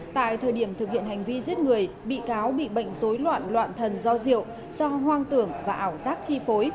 tại thời điểm thực hiện hành vi giết người bị cáo bị bệnh dối loạn loạn thần do rượu do hoang tưởng và ảo giác chi phối